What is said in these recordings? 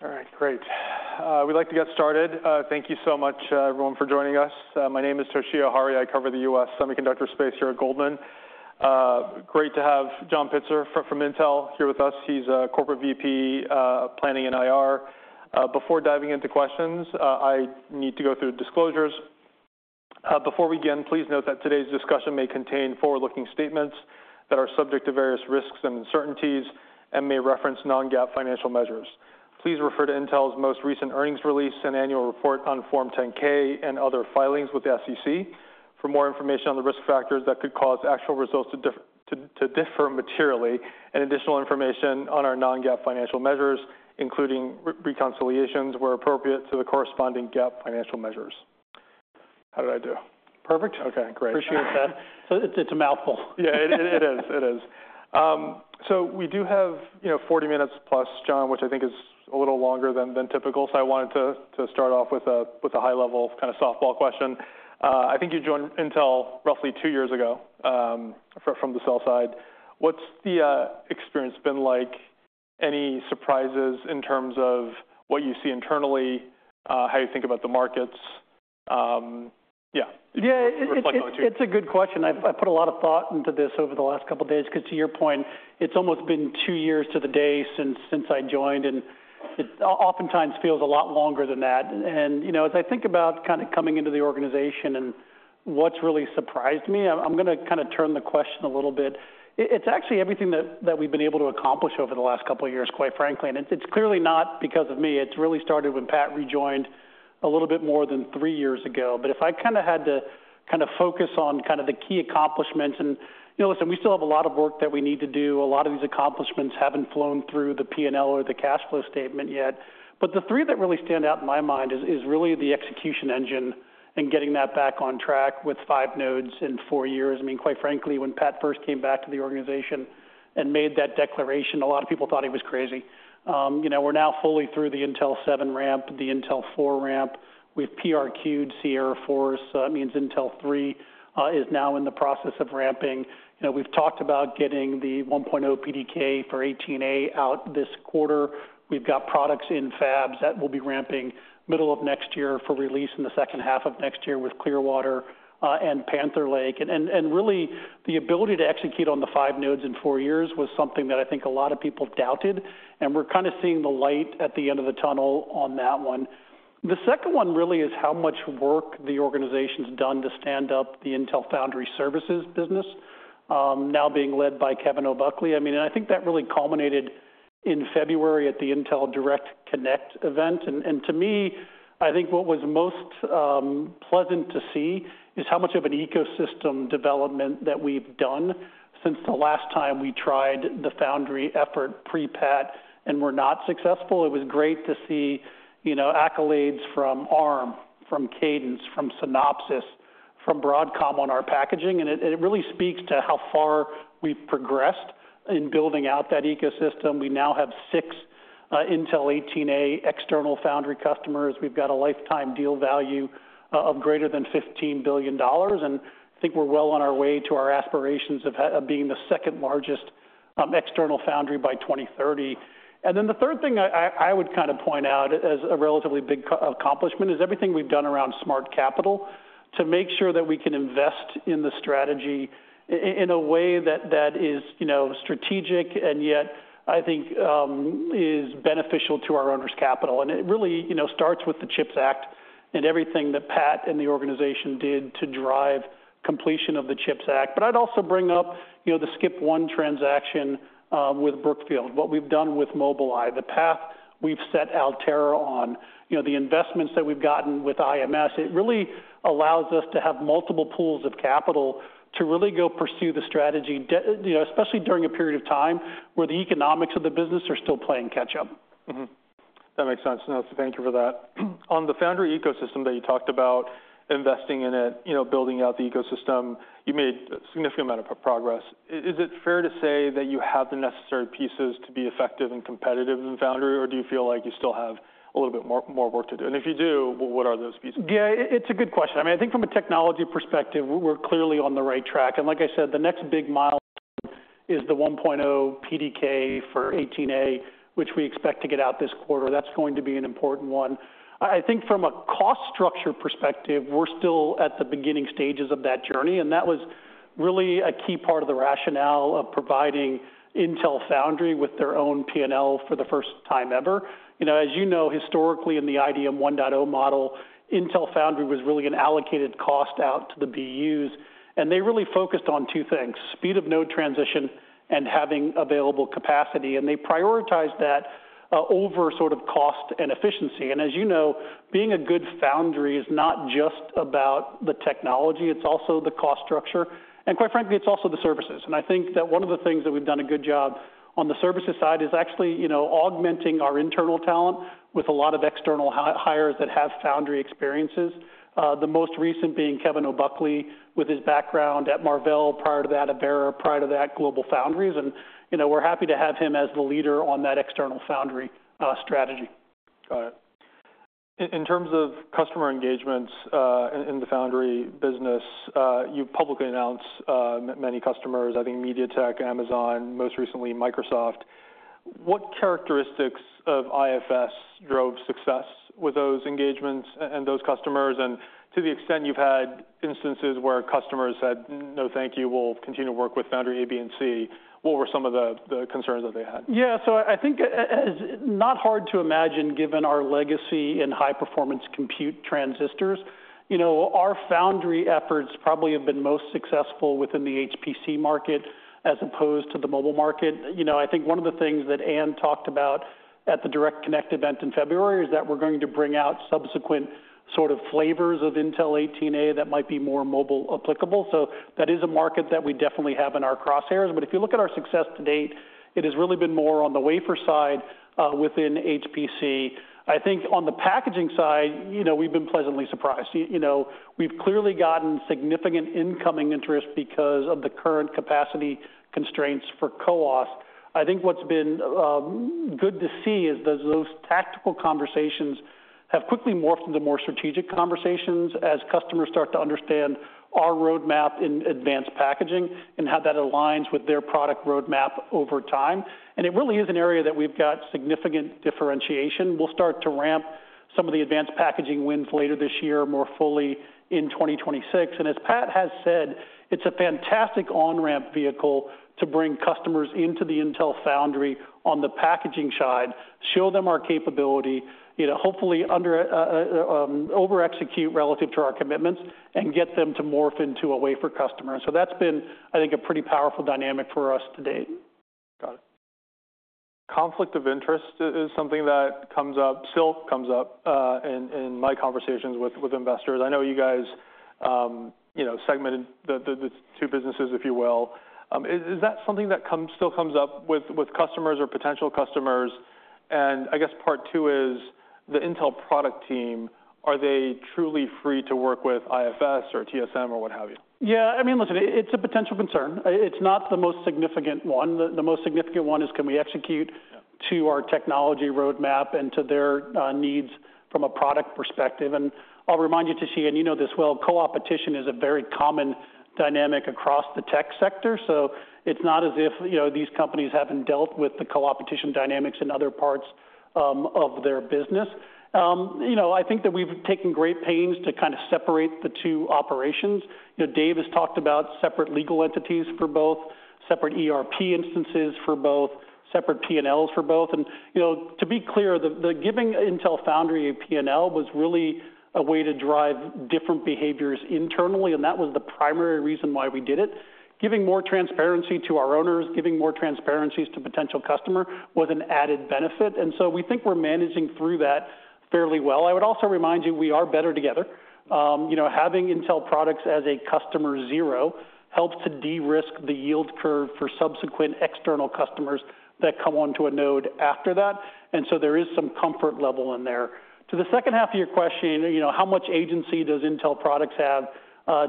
All right, great. We'd like to get started. Thank you so much, everyone, for joining us. My name is Toshiya Hari. I cover the U.S. semiconductor space here at Goldman. Great to have John Pitzer from Intel here with us. He's a corporate VP, planning and IR. Before diving into questions, I need to go through disclosures. Before we begin, please note that today's discussion may contain forward-looking statements that are subject to various risks and uncertainties and may reference non-GAAP financial measures. Please refer to Intel's most recent earnings release and annual report on Form 10-K and other filings with the SEC for more information on the risk factors that could cause actual results to differ materially and additional information on our non-GAAP financial measures, including reconciliations where appropriate, to the corresponding GAAP financial measures. How did I do? Perfect. Okay, great. Appreciate that. So it's, it's a mouthful. Yeah, it is. It is. So we do have, you know, 40 minutes+, John, which I think is a little longer than typical. So I wanted to start off with a high-level kind of softball question. I think you joined Intel roughly 2 years ago from the sell side. What's the experience been like? Any surprises in terms of what you see internally, how you think about the markets? Yeah. Yeah. Reflect on it too. It's a good question. I put a lot of thought into this over the last couple of days, because to your point, it's almost been two years to the day since I joined, and it oftentimes feels a lot longer than that. And, you know, as I think about kind of coming into the organization and what's really surprised me, I'm gonna kind of turn the question a little bit. It's actually everything that we've been able to accomplish over the last couple of years, quite frankly, and it's clearly not because of me. It's really started when Pat rejoined a little bit more than three years ago. But if I kind of had to kind of focus on kind of the key accomplishments and, you know, listen, we still have a lot of work that we need to do. A lot of these accomplishments haven't flown through the P&L or the cash flow statement yet. But the three that really stand out in my mind is, is really the execution engine and getting that back on track with 5 nodes in 4 years. I mean, quite frankly, when Pat first came back to the organization and made that declaration, a lot of people thought he was crazy. You know, we're now fully through the Intel 7 ramp, the Intel 4 ramp. We've PRQ'd Sierra Forest. That means Intel 3 is now in the process of ramping. You know, we've talked about getting the 1.0 PDK for 18A out this quarter. We've got products in fabs that will be ramping middle of next year for release in the second half of next year with Clearwater and Panther Lake. Really, the ability to execute on the 5 nodes in 4 years was something that I think a lot of people doubted, and we're kind of seeing the light at the end of the tunnel on that one. The second one really is how much work the organization's done to stand up the Intel Foundry Services business, now being led by Kevin O'Buckley. I mean, I think that really culminated in February at the Intel Direct Connect event. To me, I think what was most pleasant to see is how much of an ecosystem development that we've done since the last time we tried the foundry effort pre-Pat and were not successful. It was great to see, you know, accolades from ARM, from Cadence, from Synopsys, from Broadcom on our packaging, and it, and it really speaks to how far we've progressed in building out that ecosystem. We now have 6 Intel 18A external foundry customers. We've got a lifetime deal value of greater than $15 billion, and I think we're well on our way to our aspirations of being the second largest external foundry by 2030. And then the third thing I would kind of point out as a relatively big accomplishment is everything we've done around smart capital to make sure that we can invest in the strategy in a way that, that is, you know, strategic, and yet, I think, is beneficial to our owners' capital. And it really, you know, starts with the CHIPS Act and everything that Pat and the organization did to drive completion of the CHIPS Act. But I'd also bring up, you know, the Skip One transaction with Brookfield, what we've done with Mobileye, the path we've set Altera on, you know, the investments that we've gotten with IMS. It really allows us to have multiple pools of capital to really go pursue the strategy, you know, especially during a period of time where the economics of the business are still playing catch up. Mm-hmm. That makes sense. No, so thank you for that. On the foundry ecosystem that you talked about, investing in it, you know, building out the ecosystem, you made a significant amount of progress. Is it fair to say that you have the necessary pieces to be effective and competitive in foundry, or do you feel like you still have a little bit more, more work to do? And if you do, what are those pieces? Yeah, it's a good question. I mean, I think from a technology perspective, we're clearly on the right track. And like I said, the next big milestone is the 1.0 PDK for 18A, which we expect to get out this quarter. That's going to be an important one. I think from a cost structure perspective, we're still at the beginning stages of that journey, and that was really a key part of the rationale of providing Intel Foundry with their own P&L for the first time ever. You know, as you know, historically in the IDM 1.0 model, Intel Foundry was really an allocated cost out to the BUs, and they really focused on two things: speed of node transition and having available capacity. And they prioritized that over sort of cost and efficiency. As you know, being a good foundry is not just about the technology, it's also the cost structure, and quite frankly, it's also the services. I think that one of the things that we've done a good job on the services side is actually, you know, augmenting our internal talent with a lot of external hires that have foundry experiences. The most recent being Kevin O'Buckley, with his background at Marvell, prior to that, Avera, prior to that, GlobalFoundries. You know, we're happy to have him as the leader on that external foundry strategy. Got it. In terms of customer engagements, in the foundry business, you publicly announced many customers, I think MediaTek, Amazon, most recently Microsoft. What characteristics of IFS drove success with those engagements and those customers? And to the extent you've had instances where customers said, "No, thank you, we'll continue to work with foundry A, B, and C," what were some of the concerns that they had? Yeah, so I think, as not hard to imagine, given our legacy in high-performance compute transistors, you know, our foundry efforts probably have been most successful within the HPC market as opposed to the mobile market. You know, I think one of the things that Ann talked about at the Direct Connect event in February is that we're going to bring out subsequent sort of flavors of Intel 18A that might be more mobile applicable. So that is a market that we definitely have in our crosshairs. But if you look at our success to date, it has really been more on the wafer side, within HPC. I think on the packaging side, you know, we've been pleasantly surprised. You know, we've clearly gotten significant incoming interest because of the current capacity constraints for CoWoS. I think what's been good to see is that those tactical conversations have quickly morphed into more strategic conversations as customers start to understand our roadmap in advanced packaging and how that aligns with their product roadmap over time. It really is an area that we've got significant differentiation. We'll start to ramp some of the advanced packaging wins later this year, more fully in 2026. As Pat has said, it's a fantastic on-ramp vehicle to bring customers into the Intel Foundry on the packaging side, show them our capability, you know, hopefully over-execute relative to our commitments and get them to morph into a wafer customer. That's been, I think, a pretty powerful dynamic for us to date. Got it. Conflict of interest is something that comes up, still comes up, in my conversations with investors. I know you guys, you know, segmented the two businesses, if you will. Is that something that comes, still comes up with customers or potential customers? And I guess part two is, the Intel product team, are they truly free to work with IFS or TSMC or what have you? Yeah, I mean, listen, it's a potential concern. It's not the most significant one. The most significant one is, can we execute- Yeah... to our technology roadmap and to their needs from a product perspective? And I'll remind you, Toshiya, and you know this well, co-opetition is a very common dynamic across the tech sector. So it's not as if, you know, these companies haven't dealt with the co-opetition dynamics in other parts of their business. You know, I think that we've taken great pains to kind of separate the two operations. You know, Dave has talked about separate legal entities for both, separate ERP instances for both, separate P&Ls for both. And, you know, to be clear, the giving Intel Foundry a P&L was really a way to drive different behaviors internally, and that was the primary reason why we did it. Giving more transparency to our owners, giving more transparencies to potential customer was an added benefit, and so we think we're managing through that fairly well. I would also remind you, we are better together. You know, having Intel products as a Customer Zero helps to de-risk the yield curve for subsequent external customers that come onto a node after that, and so there is some comfort level in there. To the second half of your question, you know, how much agency does Intel products have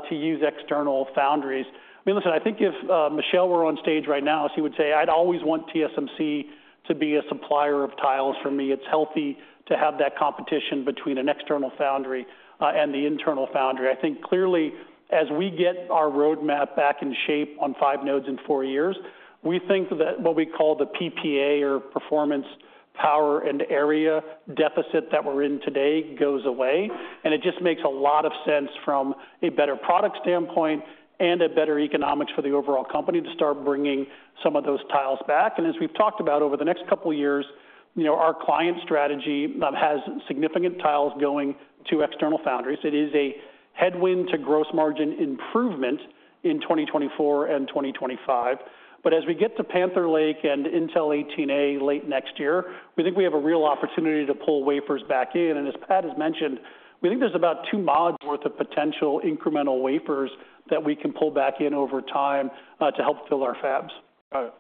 to use external foundries? I mean, listen, I think if Michelle were on stage right now, she would say, "I'd always want TSMC to be a supplier of tiles for me." It's healthy to have that competition between an external foundry and the internal foundry. I think clearly, as we get our roadmap back in shape on 5 nodes in 4 years, we think that what we call the PPA, or performance, power, and area deficit that we're in today, goes away. It just makes a lot of sense from a better product standpoint and a better economics for the overall company to start bringing some of those tiles back. As we've talked about over the next couple of years, you know, our client strategy now has significant tiles going to external foundries. It is a headwind to gross margin improvement in 2024 and 2025. But as we get to Panther Lake and Intel 18A late next year, we think we have a real opportunity to pull wafers back in. As Pat has mentioned, we think there's about two mods worth of potential incremental wafers that we can pull back in over time to help fill our fabs. Got it.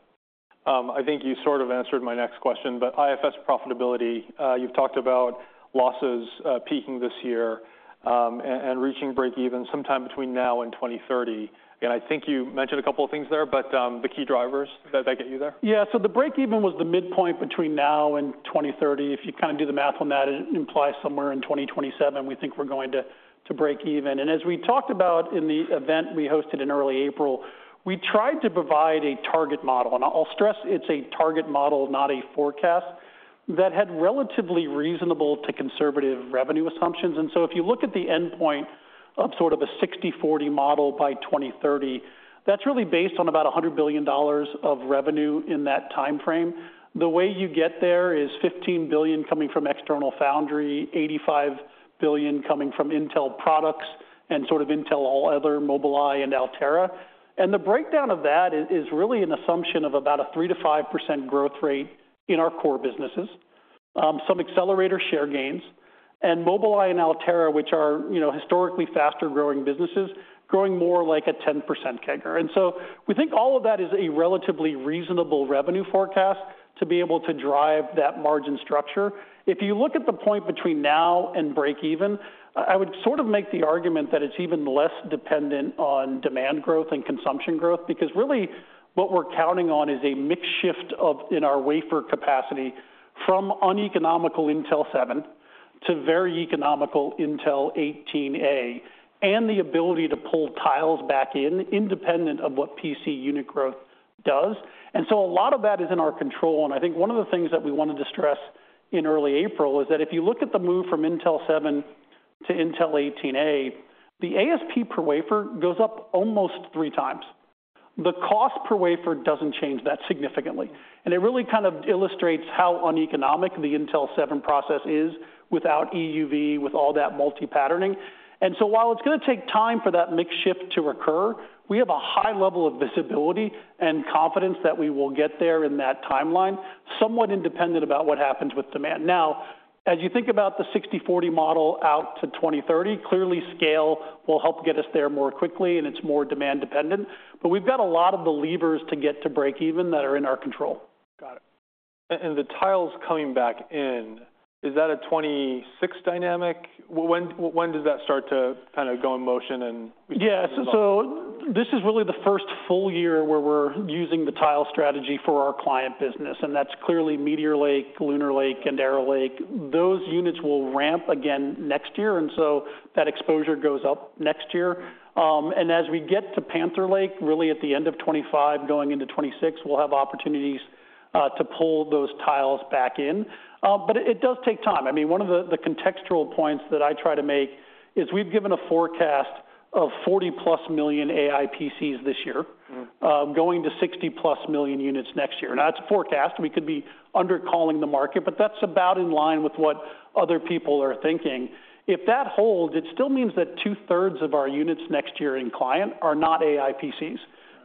I think you sort of answered my next question, but IFS profitability, you've talked about losses peaking this year, and reaching break even sometime between now and 2030. I think you mentioned a couple of things there, but the key drivers, did I get you there? Yeah. So the break even was the midpoint between now and 2030. If you kind of do the math on that, it implies somewhere in 2027, we think we're going to, to break even. And as we talked about in the event we hosted in early April, we tried to provide a target model, and I'll stress it's a target model, not a forecast, that had relatively reasonable to conservative revenue assumptions. And so if you look at the endpoint of sort of a 60/40 model by 2030, that's really based on about $100 billion of revenue in that timeframe. The way you get there is $15 billion coming from external foundry, $85 billion coming from Intel products and sort of Intel, all other Mobileye and Altera. And the breakdown of that is really an assumption of about a 3%-5% growth rate in our core businesses, some accelerator share gains, and Mobileye and Altera, which are, you know, historically faster-growing businesses, growing more like a 10% CAGR. And so we think all of that is a relatively reasonable revenue forecast to be able to drive that margin structure. If you look at the point between now and break even, I would sort of make the argument that it's even less dependent on demand growth and consumption growth, because really, what we're counting on is a mix shift in our wafer capacity from uneconomical Intel 7 to very economical Intel 18A, and the ability to pull tiles back in independent of what PC unit growth does. A lot of that is in our control, and I think one of the things that we wanted to stress in early April is that if you look at the move from Intel 7 to Intel 18A, the ASP per wafer goes up almost 3x. The cost per wafer doesn't change that significantly, and it really kind of illustrates how uneconomic the Intel 7 process is without EUV, with all that multi-patterning. While it's going to take time for that mix shift to occur, we have a high level of visibility and confidence that we will get there in that timeline, somewhat independent about what happens with demand. Now, as you think about the 60/40 model out to 2030, clearly scale will help get us there more quickly, and it's more demand dependent. We've got a lot of the levers to get to breakeven that are in our control. Got it. And the tiles coming back in, is that a 2026 dynamic? When, when does that start to kind of go in motion and- Yeah, so this is really the first full year where we're using the tile strategy for our client business, and that's clearly Meteor Lake, Lunar Lake, and Arrow Lake. Those units will ramp again next year, and so that exposure goes up next year. And as we get to Panther Lake, really at the end of 2025, going into 2026, we'll have opportunities to pull those tiles back in. But it, it does take time. I mean, one of the, the contextual points that I try to make is we've given a forecast of 40+ million AI PCs this year. Mm. Going to 60+ million units next year. Now, that's a forecast. We could be under-calling the market, but that's about in line with what other people are thinking. If that holds, it still means that two-thirds of our units next year in client are not AI PCs.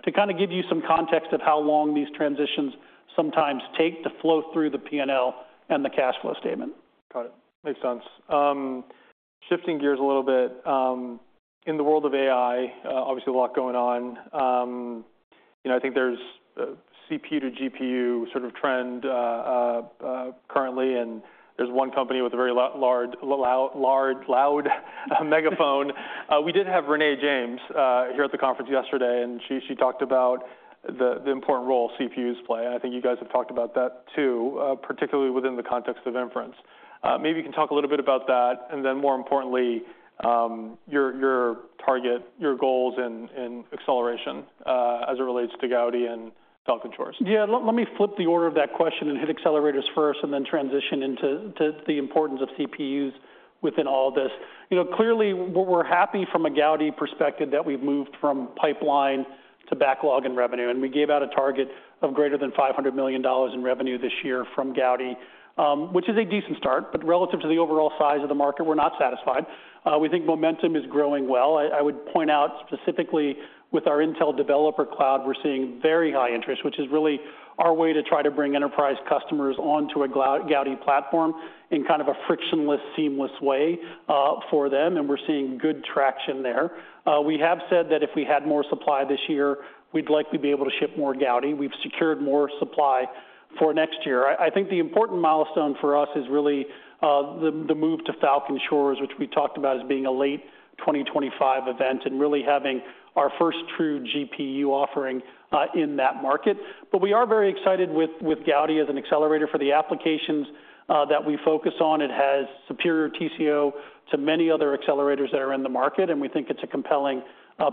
To kind of give you some context of how long these transitions sometimes take to flow through the P&L and the cash flow statement. Got it. Makes sense. Shifting gears a little bit, in the world of AI, obviously, a lot going on. You know, I think there's a CPU to GPU sort of trend currently, and there's one company with a very large loud megaphone. We did have Renee James here at the conference yesterday, and she talked about the important role CPUs play, and I think you guys have talked about that too, particularly within the context of inference. Maybe you can talk a little bit about that, and then more importantly, your target, your goals in acceleration, as it relates to Gaudi and Falcon Shores. Yeah, let me flip the order of that question and hit accelerators first, and then transition into the importance of CPUs within all this. You know, clearly, we're happy from a Gaudi perspective that we've moved from pipeline to backlog and revenue, and we gave out a target of greater than $500 million in revenue this year from Gaudi, which is a decent start, but relative to the overall size of the market, we're not satisfied. We think momentum is growing well. I would point out specifically with our Intel Developer Cloud, we're seeing very high interest, which is really our way to try to bring enterprise customers onto a Gaudi platform in kind of a frictionless, seamless way, for them, and we're seeing good traction there. We have said that if we had more supply this year, we'd likely be able to ship more Gaudi. We've secured more supply for next year. I think the important milestone for us is really the move to Falcon Shores, which we talked about as being a late 2025 event, and really having our first true GPU offering in that market. But we are very excited with Gaudi as an accelerator for the applications that we focus on. It has superior TCO to many other accelerators that are in the market, and we think it's a compelling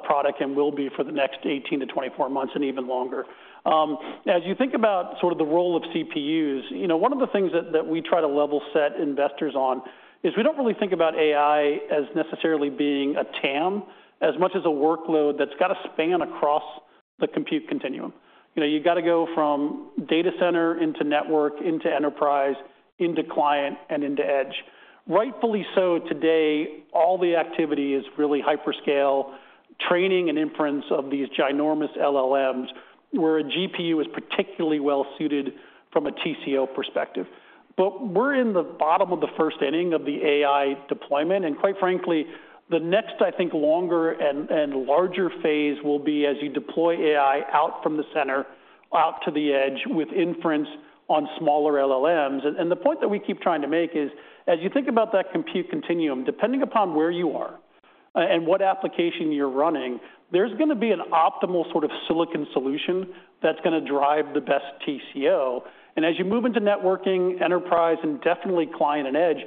product and will be for the next 18-24 months and even longer. As you think about sort of the role of CPUs, you know, one of the things that we try to level set investors on is we don't really think about AI as necessarily being a TAM, as much as a workload that's got to span across the compute continuum. You know, you've got to go from data center into network, into enterprise, into client, and into edge. Rightfully so, today, all the activity is really hyperscale training and inference of these ginormous LLMs, where a GPU is particularly well suited from a TCO perspective. But we're in the bottom of the first inning of the AI deployment, and quite frankly, the next, I think, longer and larger phase will be as you deploy AI out from the center, out to the edge, with inference on smaller LLMs. The point that we keep trying to make is, as you think about that compute continuum, depending upon where you are, and what application you're running, there's going to be an optimal sort of silicon solution that's going to drive the best TCO. As you move into networking, enterprise, and definitely client and edge,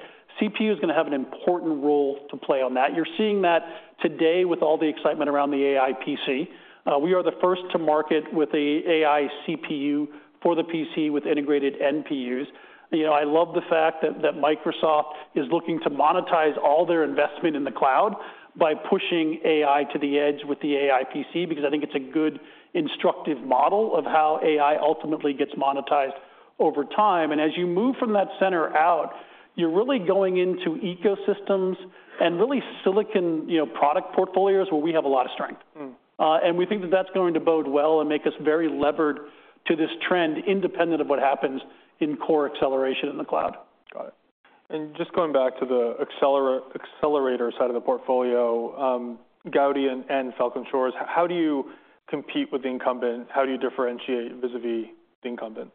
CPU is going to have an important role to play on that. You're seeing that today with all the excitement around the AI PC. We are the first to market with an AI CPU for the PC with integrated NPUs. You know, I love the fact that Microsoft is looking to monetize all their investment in the cloud by pushing AI to the edge with the AI PC, because I think it's a good instructive model of how AI ultimately gets monetized over time. As you move from that center out, you're really going into ecosystems and really silicon, you know, product portfolios where we have a lot of strength. Mm. We think that that's going to bode well and make us very levered to this trend, independent of what happens in core acceleration in the cloud. Got it. And just going back to the accelerator side of the portfolio, Gaudi and Falcon Shores, how do you compete with the incumbent? How do you differentiate vis-a-vis the incumbent?...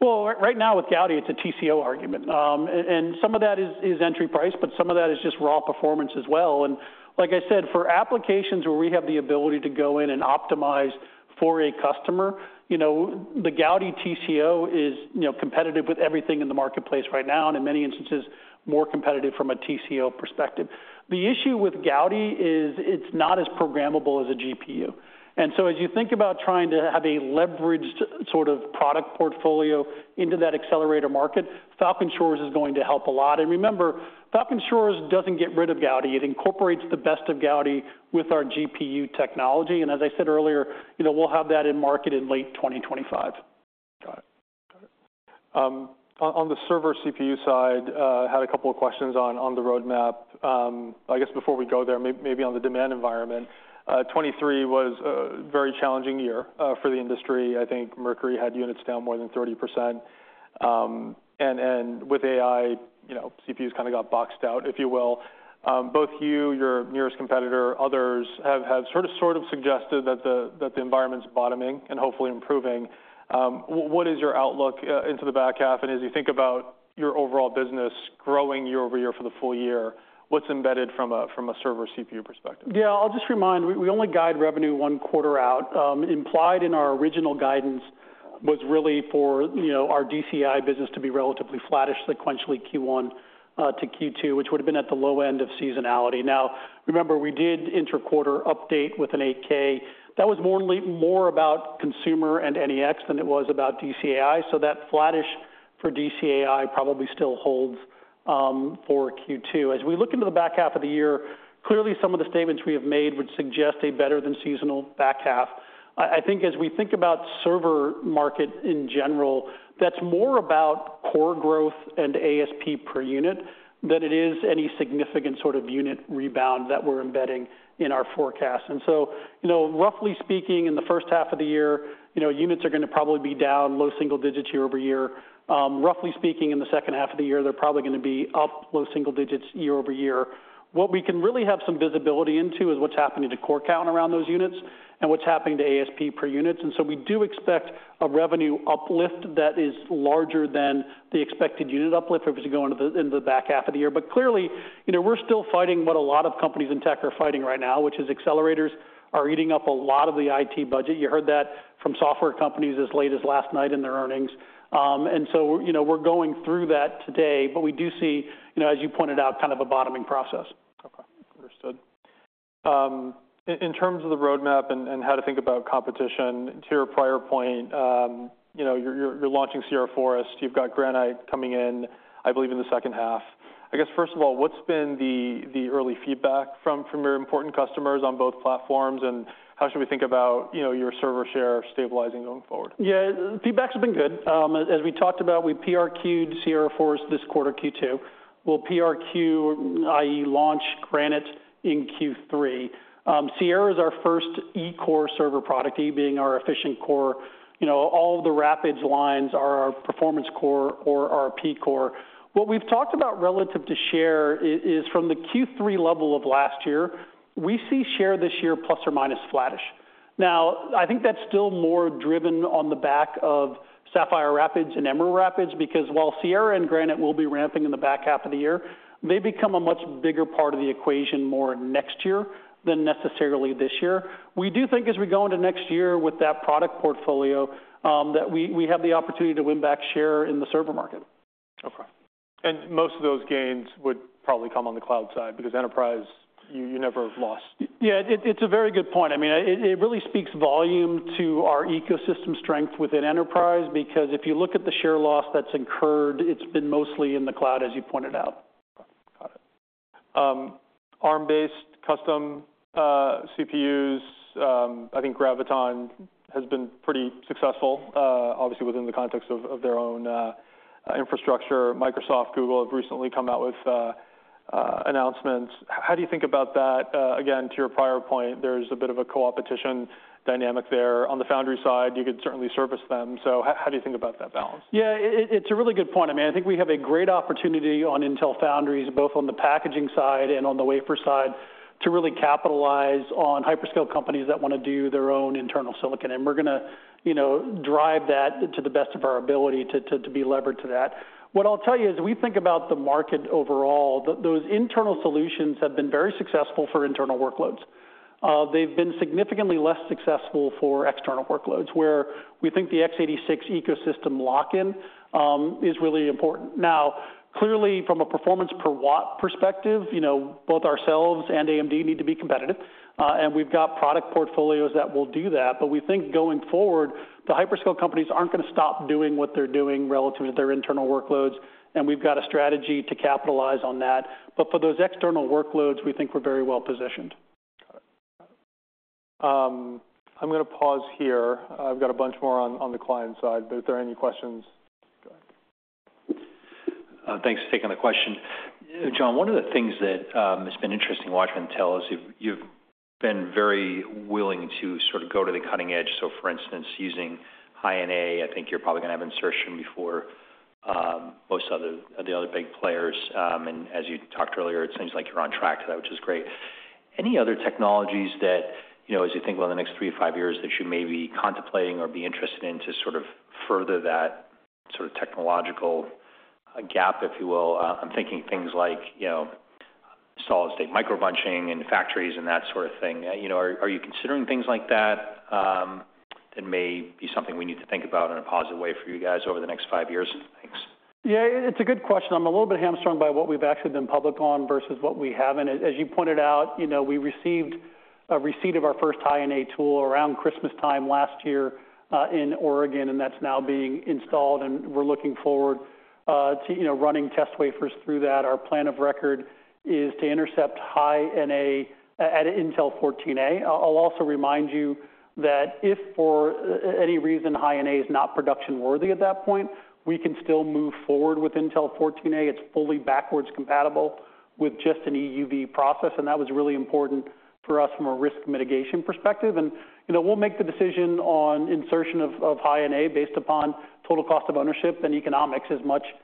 Well, right now with Gaudi, it's a TCO argument. And some of that is entry price, but some of that is just raw performance as well. And like I said, for applications where we have the ability to go in and optimize for a customer, you know, the Gaudi TCO is, you know, competitive with everything in the marketplace right now, and in many instances, more competitive from a TCO perspective. The issue with Gaudi is it's not as programmable as a GPU. And so as you think about trying to have a leveraged sort of product portfolio into that accelerator market, Falcon Shores is going to help a lot. And remember, Falcon Shores doesn't get rid of Gaudi. It incorporates the best of Gaudi with our GPU technology. And as I said earlier, you know, we'll have that in market in late 2025. Got it. On the server CPU side, had a couple of questions on the roadmap. I guess before we go there, maybe on the demand environment, 2023 was a very challenging year for the industry. I think Mercury had units down more than 30%. And with AI, you know, CPUs kind of got boxed out, if you will. Both you, your nearest competitor, others, have sort of suggested that the environment's bottoming and hopefully improving. What is your outlook into the back half? And as you think about your overall business growing year-over-year for the full year, what's embedded from a server CPU perspective? Yeah, I'll just remind, we only guide revenue one quarter out. Implied in our original guidance was really for, you know, our DCAI business to be relatively flattish sequentially Q1 to Q2, which would have been at the low end of seasonality. Now, remember, we did inter-quarter update with an 8-K. That was more about consumer and NEX than it was about DCAI, so that flattish for DCAI probably still holds for Q2. As we look into the back half of the year, clearly some of the statements we have made would suggest a better than seasonal back half. I think as we think about server market in general, that's more about core growth and ASP per unit than it is any significant sort of unit rebound that we're embedding in our forecast. So, you know, roughly speaking, in the first half of the year, you know, units are gonna probably be down low single digits year-over-year. Roughly speaking, in the second half of the year, they're probably gonna be up low single digits year-over-year. What we can really have some visibility into is what's happening to core count around those units and what's happening to ASP per units. So we do expect a revenue uplift that is larger than the expected unit uplift if we go into the back half of the year. But clearly, you know, we're still fighting what a lot of companies in tech are fighting right now, which is accelerators are eating up a lot of the IT budget. You heard that from software companies as late as last night in their earnings. And so, you know, we're going through that today, but we do see, you know, as you pointed out, kind of a bottoming process. Okay. Understood. In terms of the roadmap and how to think about competition, to your prior point, you know, you're launching Sierra Forest, you've got Granite coming in, I believe, in the second half. I guess, first of all, what's been the early feedback from your important customers on both platforms, and how should we think about, you know, your server share stabilizing going forward? Yeah, feedbacks have been good. As we talked about, we PRQ'd Sierra Forest this quarter, Q2. We'll PRQ, i.e., launch Granite in Q3. Sierra is our first E-core server product, E being our efficient core. You know, all of the Rapids lines are our performance core or our P-core. What we've talked about relative to share is from the Q3 level of last year, we see share this year plus or minus flattish. Now, I think that's still more driven on the back of Sapphire Rapids and Emerald Rapids, because while Sierra and Granite will be ramping in the back half of the year, they become a much bigger part of the equation more next year than necessarily this year. We do think as we go into next year with that product portfolio, that we have the opportunity to win back share in the server market. Okay. And most of those gains would probably come on the cloud side, because enterprise, you never lost. Yeah, it's a very good point. I mean, it really speaks volume to our ecosystem strength within enterprise, because if you look at the share loss that's incurred, it's been mostly in the cloud, as you pointed out. Got it. ARM-based custom CPUs, I think Graviton has been pretty successful, obviously, within the context of their own infrastructure. Microsoft, Google, have recently come out with announcements. How do you think about that? Again, to your prior point, there's a bit of a co-opetition dynamic there. On the foundry side, you could certainly service them. So how do you think about that balance? Yeah, it's a really good point. I mean, I think we have a great opportunity on Intel Foundries, both on the packaging side and on the wafer side, to really capitalize on hyperscale companies that wanna do their own internal silicon. And we're gonna, you know, drive that to the best of our ability to be levered to that. What I'll tell you is, we think about the market overall, those internal solutions have been very successful for internal workloads. They've been significantly less successful for external workloads, where we think the x86 ecosystem lock-in is really important. Now, clearly, from a performance per watt perspective, you know, both ourselves and AMD need to be competitive, and we've got product portfolios that will do that. But we think going forward, the hyperscale companies aren't gonna stop doing what they're doing relative to their internal workloads, and we've got a strategy to capitalize on that. But for those external workloads, we think we're very well positioned. Got it. I'm gonna pause here. I've got a bunch more on the client side, but if there are any questions? Go ahead. Thanks for taking the question. John, one of the things that has been interesting to watch Intel is you've, you've been very willing to sort of go to the cutting edge. So for instance, using High NA, I think you're probably gonna have insertion before-... most other of the other big players. And as you talked earlier, it seems like you're on track to that, which is great. Any other technologies that, you know, as you think about the next three to five years, that you may be contemplating or be interested in to sort of further that sort of technological gap, if you will? I'm thinking things like, you know, solid state micro-bunching and factories and that sort of thing. You know, are you considering things like that, that may be something we need to think about in a positive way for you guys over the next five years? Thanks. Yeah, it's a good question. I'm a little bit hamstrung by what we've actually been public on versus what we haven't. As you pointed out, you know, we received a receipt of our first high-NA tool around Christmas time last year in Oregon, and that's now being installed, and we're looking forward, you know, to running test wafers through that. Our plan of record is to intercept high-NA at Intel 14A. I'll also remind you that if for any reason, high-NA is not production worthy at that point, we can still move forward with Intel 14A. It's fully backward compatible with just an EUV process, and that was really important for us from a risk mitigation perspective. And, you know, we'll make the decision on insertion of high NA based upon total cost of ownership and economics as much as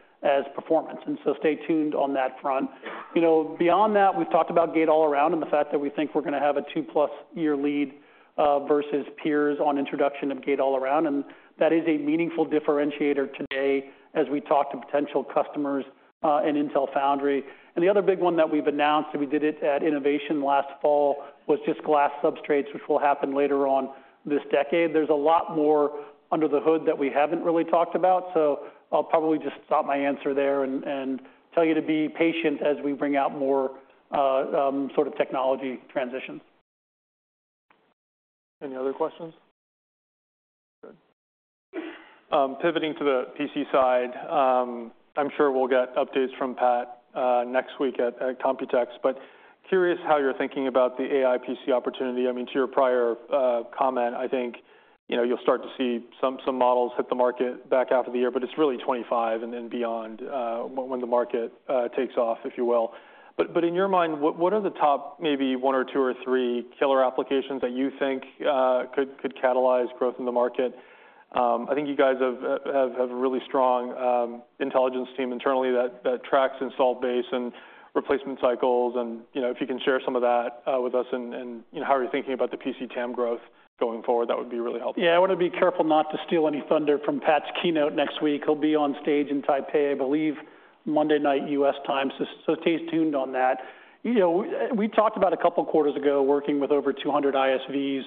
performance, and so stay tuned on that front. You know, beyond that, we've talked about Gate-All-Around and the fact that we think we're going to have a two-plus year lead versus peers on introduction of Gate-All-Around. And the other big one that we've announced, and we did it at Innovation last fall, was just glass substrates, which will happen later on this decade. There's a lot more under the hood that we haven't really talked about, so I'll probably just stop my answer there and tell you to be patient as we bring out more, sort of technology transitions. Any other questions? Pivoting to the PC side, I'm sure we'll get updates from Pat next week at Computex, but curious how you're thinking about the AI PC opportunity. I mean, to your prior comment, I think, you know, you'll start to see some models hit the market back half of the year, but it's really 25 and then beyond when the market takes off, if you will. But in your mind, what are the top, maybe one or two or three killer applications that you think could catalyze growth in the market? I think you guys have a really strong intelligence team internally that tracks install base and replacement cycles. You know, if you can share some of that with us and you know, how are you thinking about the PC TAM growth going forward, that would be really helpful. Yeah, I want to be careful not to steal any thunder from Pat's keynote next week. He'll be on stage in Taipei, I believe, Monday night, US time. So stay tuned on that. You know, we talked about a couple of quarters ago, working with over 200 ISVs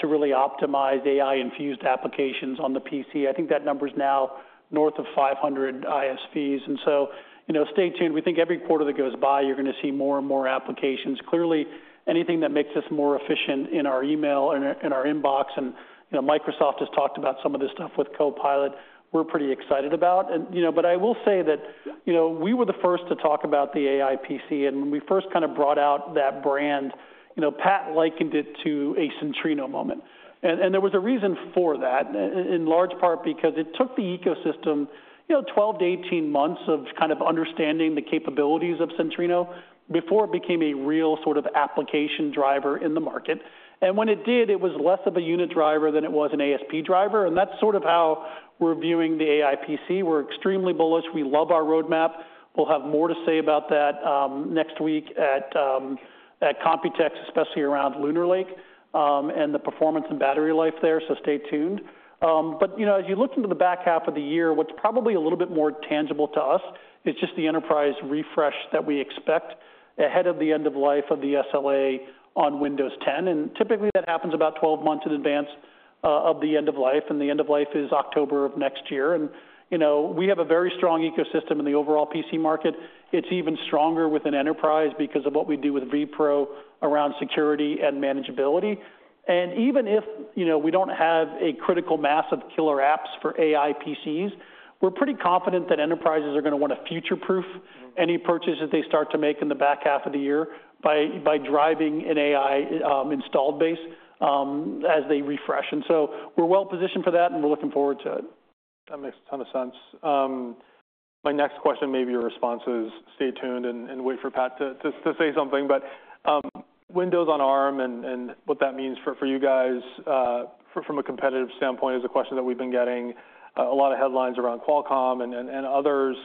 to really optimize AI-infused applications on the PC. I think that number is now north of 500 ISVs. And so, you know, stay tuned. We think every quarter that goes by, you're going to see more and more applications. Clearly, anything that makes us more efficient in our email and in our inbox, and, you know, Microsoft has talked about some of this stuff with Copilot. We're pretty excited about. You know, but I will say that, you know, we were the first to talk about the AI PC, and when we first kind of brought out that brand, you know, Pat likened it to a Centrino moment. And there was a reason for that, in large part because it took the ecosystem, you know, 12-18 months of kind of understanding the capabilities of Centrino before it became a real sort of application driver in the market. And when it did, it was less of a unit driver than it was an ASP driver, and that's sort of how we're viewing the AI PC. We're extremely bullish. We love our roadmap. We'll have more to say about that, next week at Computex, especially around Lunar Lake, and the performance and battery life there, so stay tuned. but, you know, as you look into the back half of the year, what's probably a little bit more tangible to us is just the enterprise refresh that we expect ahead of the end of life of the SLA on Windows 10. And typically, that happens about 12 months in advance, of the end of life, and the end of life is October of next year. And, you know, we have a very strong ecosystem in the overall PC market. It's even stronger with an enterprise because of what we do with vPro around security and manageability. Even if, you know, we don't have a critical mass of killer apps for AI PCs, we're pretty confident that enterprises are going to want to future-proof any purchases they start to make in the back half of the year by driving an AI installed base as they refresh. And so we're well positioned for that, and we're looking forward to it. That makes a ton of sense. My next question, maybe your response is stay tuned and wait for Pat to say something. But, Windows on ARM and what that means for you guys from a competitive standpoint is a question that we've been getting. A lot of headlines around Qualcomm and others.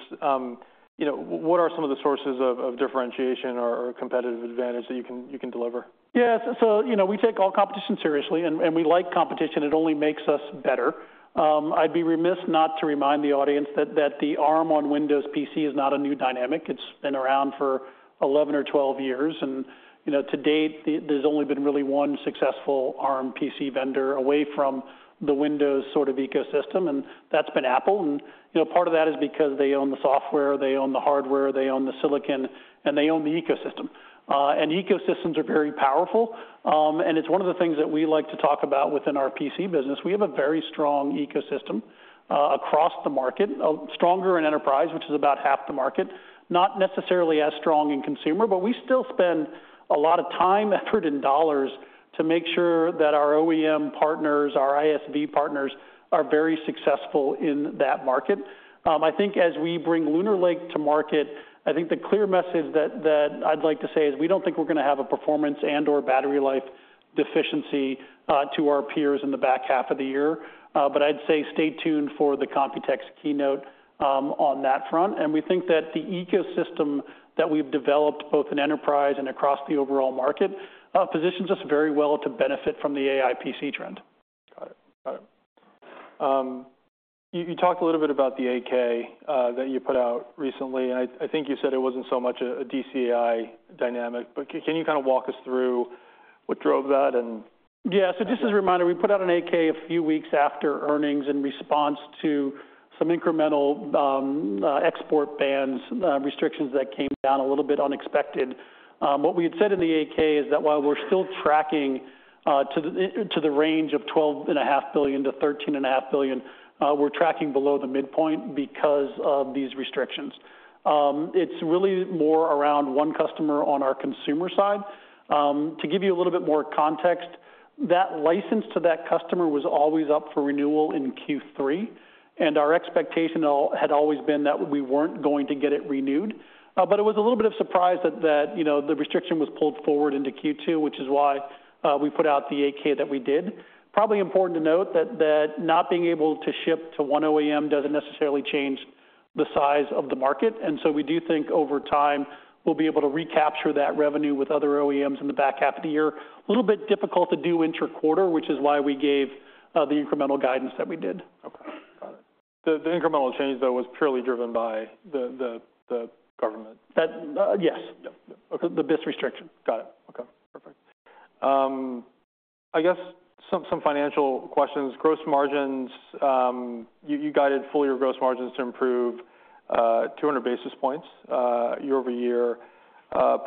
You know, what are some of the sources of differentiation or competitive advantage that you can deliver? Yeah, so, you know, we take all competition seriously, and we like competition. It only makes us better. I'd be remiss not to remind the audience that the ARM on Windows PC is not a new dynamic. It's been around for 11 or 12 years, and, you know, to date, there's only been really one successful ARM PC vendor away from the Windows sort of ecosystem, and that's been Apple. And, you know, part of that is because they own the software, they own the hardware, they own the silicon, and they own the ecosystem. And ecosystems are very powerful, and it's one of the things that we like to talk about within our PC business. We have a very strong ecosystem across the market. Stronger in enterprise, which is about half the market, not necessarily as strong in consumer, but we still spend a lot of time, effort, and dollars to make sure that our OEM partners, our ISV partners, are very successful in that market. I think as we bring Lunar Lake to market, I think the clear message that, that I'd like to say is, we don't think we're going to have a performance and/or battery life deficiency to our peers in the back half of the year. But I'd say stay tuned for the Computex keynote on that front. And we think that the ecosystem that we've developed, both in enterprise and across the overall market, positions us very well to benefit from the AI PC trend. Got it. Got it. You talked a little bit about the 8-K that you put out recently, and I think you said it wasn't so much a DCAI dynamic, but can you kind of walk us through what drove that and- Yeah, so just as a reminder, we put out an 8-K a few weeks after earnings in response to some incremental export bans, restrictions that came down a little bit unexpected. What we had said in the 8-K is that while we're still tracking to the range of $12.5 billion-$13.5 billion, we're tracking below the midpoint because of these restrictions. It's really more around one customer on our consumer side. To give you a little bit more context, that license to that customer was always up for renewal in Q3, and our expectation had always been that we weren't going to get it renewed. But it was a little bit of surprise that, you know, the restriction was pulled forward into Q2, which is why we put out the 8-K that we did. Probably important to note that not being able to ship to one OEM doesn't necessarily change the size of the market, and so we do think over time, we'll be able to recapture that revenue with other OEMs in the back half of the year. A little bit difficult to do inter-quarter, which is why we gave the incremental guidance that we did. Okay. Got it. The incremental change, though, was purely driven by the government? That. Yes. Yep, yep. Okay. The BIS restriction. Got it. Okay, perfect. I guess some financial questions. Gross margins, you guided full-year gross margins to improve 200 basis points year-over-year.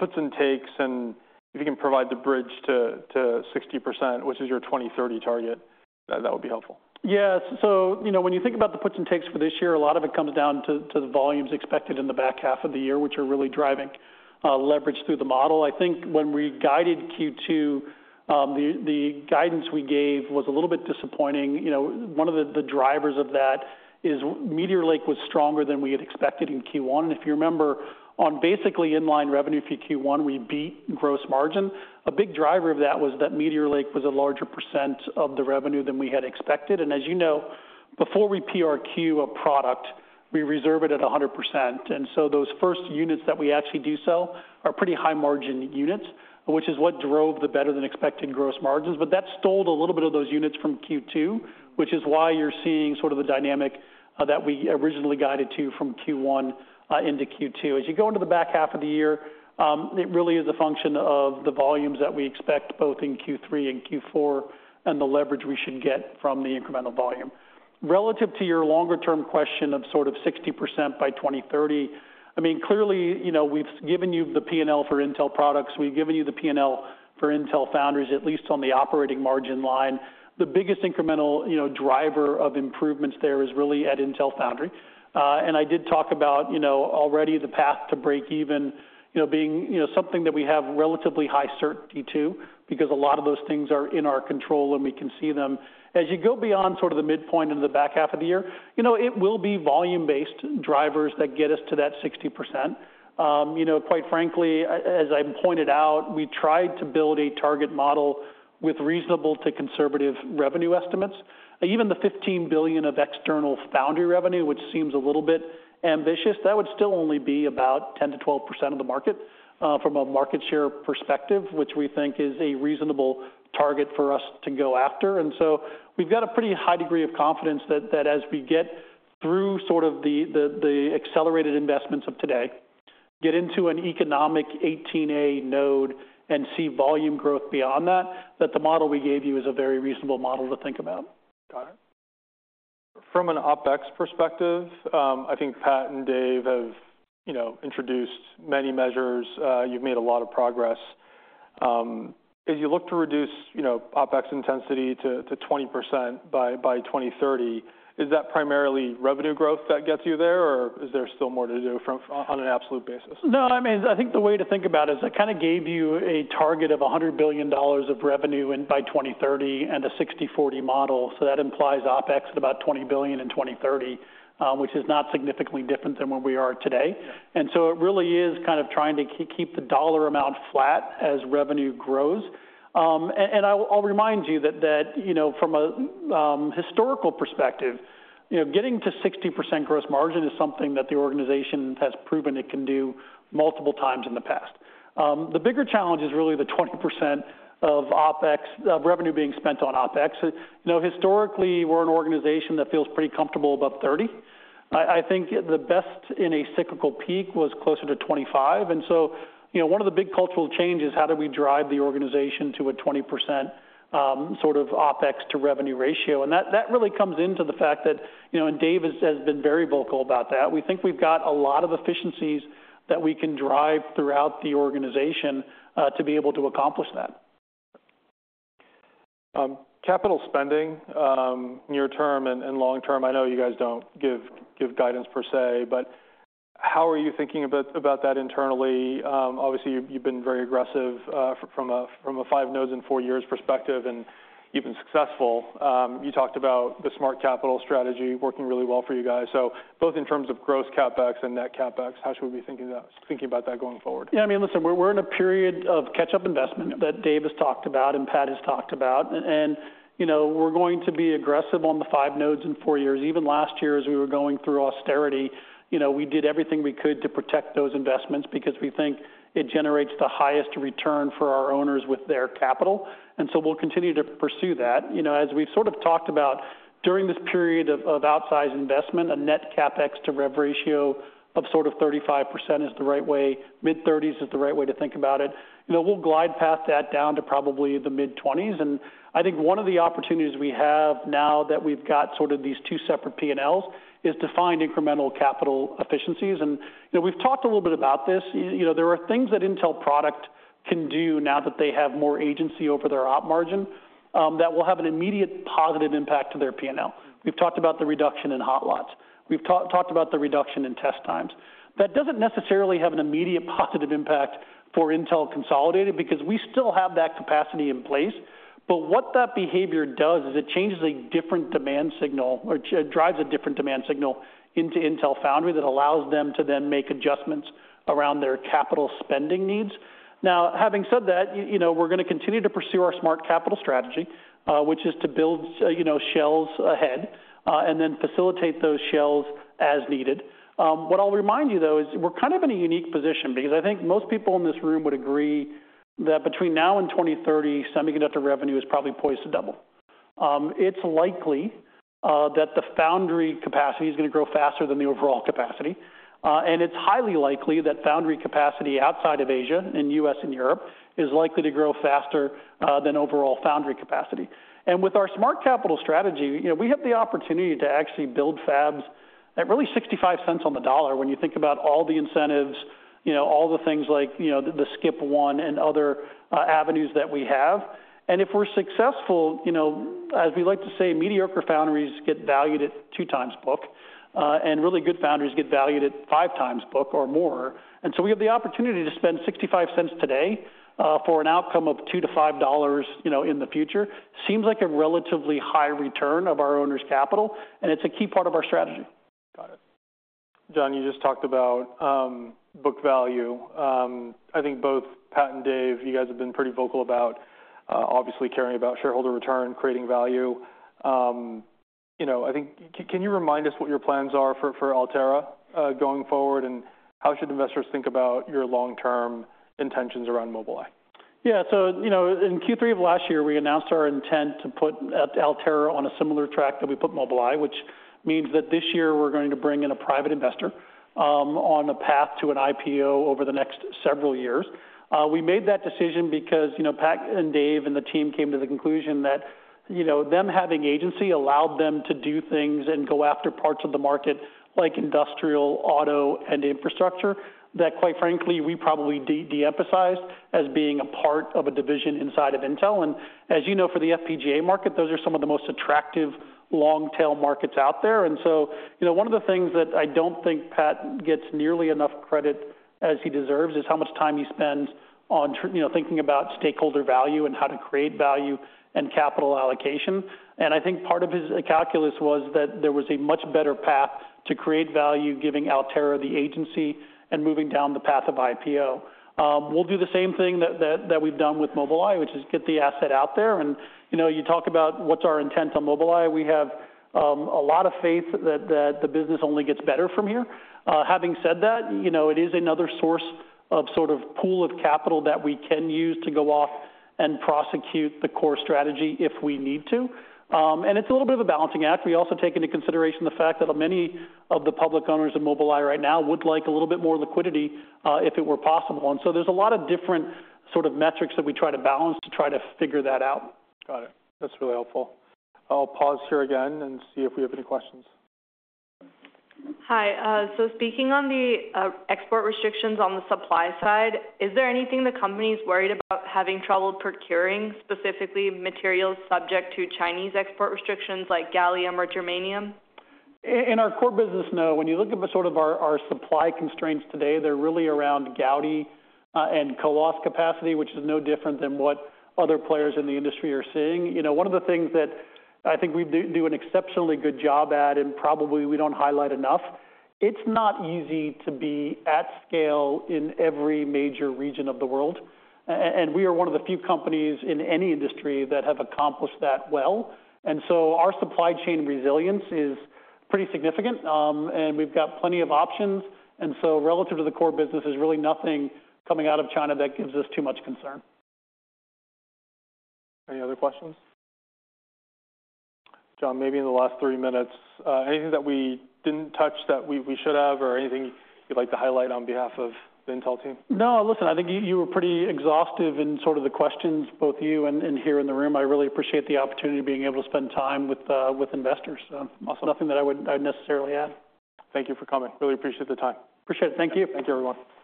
Puts and takes, and if you can provide the bridge to 60%, which is your 2030 target, that would be helpful. Yeah, so, you know, when you think about the puts and takes for this year, a lot of it comes down to the volumes expected in the back half of the year, which are really driving leverage through the model. I think when we guided Q2, the guidance we gave was a little bit disappointing. You know, one of the drivers of that is Meteor Lake was stronger than we had expected in Q1. And if you remember, on basically inline revenue for Q1, we beat gross margin. A big driver of that was that Meteor Lake was a larger percent of the revenue than we had expected. And as you know, before we PRQ a product, we reserve it at 100%. And so those first units that we actually do sell are pretty high margin units, which is what drove the better than expected gross margins. But that stole a little bit of those units from Q2, which is why you're seeing sort of the dynamic that we originally guided to from Q1 into Q2. As you go into the back half of the year, it really is a function of the volumes that we expect, both in Q3 and Q4, and the leverage we should get from the incremental volume. Relative to your longer-term question of sort of 60% by 2030, I mean, clearly, you know, we've given you the P&L for Intel products. We've given you the P&L for Intel Foundries, at least on the operating margin line. The biggest incremental, you know, driver of improvements there is really at Intel Foundry. And I did talk about, you know, already the path to break even, you know, being, you know, something that we have relatively high certainty to, because a lot of those things are in our control, and we can see them. As you go beyond sort of the midpoint in the back half of the year, you know, it will be volume-based drivers that get us to that 60%. You know, quite frankly, as I pointed out, we tried to build a target model with reasonable to conservative revenue estimates. Even the $15 billion of external foundry revenue, which seems a little bit ambitious, that would still only be about 10%-12% of the market, from a market share perspective, which we think is a reasonable target for us to go after. We've got a pretty high degree of confidence that as we get through sort of the accelerated investments of today, get into an economic 18A node and see volume growth beyond that, the model we gave you is a very reasonable model to think about. Got it. From an OpEx perspective, I think Pat and Dave have, you know, introduced many measures. You've made a lot of progress. As you look to reduce, you know, OpEx intensity to 20% by 2030, is that primarily revenue growth that gets you there, or is there still more to do from on an absolute basis? No, I mean, I think the way to think about it is I kind of gave you a target of $100 billion of revenue in by 2030 and a 60/40 model, so that implies OpEx at about $20 billion in 2030, which is not significantly different than where we are today. Yeah. And so it really is kind of trying to keep the dollar amount flat as revenue grows. And I'll remind you that, you know, from a historical perspective, you know, getting to 60% gross margin is something that the organization has proven it can do multiple times in the past. The bigger challenge is really the 20% of revenue being spent on OpEx. You know, historically, we're an organization that feels pretty comfortable above 30. I think the best in a cyclical peak was closer to 25, and so, you know, one of the big cultural changes, how do we drive the organization to a 20% sort of OpEx-to-revenue ratio? And that really comes into the fact that, you know, and Dave has been very vocal about that. We think we've got a lot of efficiencies that we can drive throughout the organization, to be able to accomplish that. Capital spending, near term and long term, I know you guys don't give guidance per se, but how are you thinking about that internally? Obviously, you've been very aggressive from a 5 nodes in 4 years perspective, and even successful. You talked about the smart capital strategy working really well for you guys. So both in terms of gross CapEx and net CapEx, how should we be thinking about that going forward? Yeah, I mean, listen, we're in a period of catch-up investment that Dave has talked about and Pat has talked about. You know, we're going to be aggressive on the five nodes in four years. Even last year, as we were going through austerity, you know, we did everything we could to protect those investments because we think it generates the highest return for our owners with their capital, and so we'll continue to pursue that. You know, as we've sort of talked about, during this period of outsized investment, a net CapEx to rev ratio of sort of 35% is the right way, mid-30s% is the right way to think about it. You know, we'll glide past that down to probably the mid-20s. I think one of the opportunities we have now that we've got sort of these two separate P&Ls, is to find incremental capital efficiencies. You know, we've talked a little bit about this. You know, there are things that Intel product can do now that they have more agency over their op margin, that will have an immediate positive impact to their P&L. We've talked about the reduction in hot lots. We've talked about the reduction in test times. That doesn't necessarily have an immediate positive impact for Intel consolidated, because we still have that capacity in place. But what that behavior does is it changes a different demand signal, or it drives a different demand signal into Intel Foundry that allows them to then make adjustments around their capital spending needs. Now, having said that, you know, we're gonna continue to pursue our smart capital strategy, which is to build, you know, shells ahead, and then facilitate those shells as needed. What I'll remind you, though, is we're kind of in a unique position, because I think most people in this room would agree that between now and 2030, semiconductor revenue is probably poised to double. It's likely that the foundry capacity is gonna grow faster than the overall capacity, and it's highly likely that foundry capacity outside of Asia, in U.S. and Europe, is likely to grow faster than overall foundry capacity. With our smart capital strategy, you know, we have the opportunity to actually build fabs at really $0.65 on the dollar when you think about all the incentives, you know, all the things like, you know, the Skip One and other avenues that we have. If we're successful, you know, as we like to say, mediocre foundries get valued at 2 times book, and really good foundries get valued at 5 times book or more. So we have the opportunity to spend $0.65 today for an outcome of $2-$5, you know, in the future. Seems like a relatively high return of our owners' capital, and it's a key part of our strategy. Got it. John, you just talked about book value. I think both Pat and Dave, you guys have been pretty vocal about obviously caring about shareholder return, creating value. You know, I think. Can you remind us what your plans are for Altera going forward, and how should investors think about your long-term intentions around Mobileye? Yeah. So, you know, in Q3 of last year, we announced our intent to put Altera on a similar track that we put Mobileye, which means that this year we're going to bring in a private investor on a path to an IPO over the next several years. We made that decision because, you know, Pat and Dave and the team came to the conclusion that, you know, them having agency allowed them to do things and go after parts of the market like industrial, auto, and infrastructure, that, quite frankly, we probably de-emphasized as being a part of a division inside of Intel. And as you know, for the FPGA market, those are some of the most attractive long-tail markets out there. And so, you know, one of the things that I don't think Pat gets nearly enough credit as he deserves, is how much time he spends on you know, thinking about stakeholder value and how to create value and capital allocation. And I think part of his calculus was that there was a much better path to create value, giving Altera the agency and moving down the path of IPO. We'll do the same thing that, that, that we've done with Mobileye, which is get the asset out there. And, you know, you talk about what's our intent on Mobileye, we have a lot of faith that, that the business only gets better from here. Having said that, you know, it is another source of sort of pool of capital that we can use to go off and prosecute the core strategy if we need to. And it's a little bit of a balancing act. We also take into consideration the fact that many of the public owners of Mobileye right now would like a little bit more liquidity, if it were possible. And so there's a lot of different sort of metrics that we try to balance to try to figure that out. Got it. That's really helpful. I'll pause here again and see if we have any questions. Hi, so speaking on the export restrictions on the supply side, is there anything the company is worried about having trouble procuring, specifically materials subject to Chinese export restrictions like gallium or germanium? In our core business, no. When you look at our supply constraints today, they're really around Gaudi and CoWoS capacity, which is no different than what other players in the industry are seeing. You know, one of the things that I think we do an exceptionally good job at, and probably we don't highlight enough, it's not easy to be at scale in every major region of the world. And we are one of the few companies in any industry that have accomplished that well. And so our supply chain resilience is pretty significant, and we've got plenty of options. And so relative to the core business, there's really nothing coming out of China that gives us too much concern. Any other questions? John, maybe in the last 3 minutes, anything that we didn't touch that we, we should have, or anything you'd like to highlight on behalf of the Intel team? No, listen. I think you were pretty exhaustive in sort of the questions, both you and here in the room. I really appreciate the opportunity of being able to spend time with investors. So nothing that I would necessarily add. Thank you for coming. Really appreciate the time. Appreciate it. Thank you. Thank you, everyone.